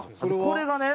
これがね